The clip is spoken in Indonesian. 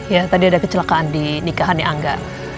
ya tadi ada kecelakaan di nikahannya angga